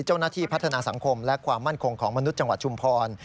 เจ้าหน้าที่พัฒนาสังคมและความมั่นคงของมนุษย์จังหวัดชุมพร